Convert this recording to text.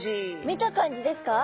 見た感じですか？